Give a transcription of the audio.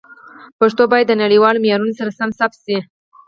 پښتو باید د نړیوالو معیارونو سره سم ثبت شي.